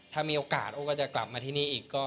ถ้ามีโอกาสโอ้ก็จะกลับมาที่นี่อีก